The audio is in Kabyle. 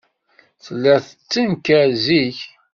Tella tettenkar zik.